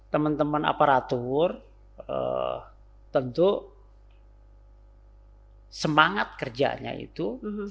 teman teman aparatur tentu semangat kerjanya itu